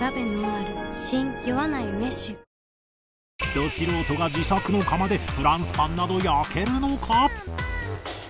ド素人が自作の窯でフランスパンなど焼けるのか？